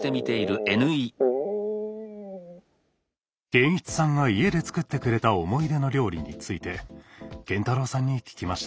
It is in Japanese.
建一さんが家で作ってくれた思い出の料理について建太郎さんに聞きました。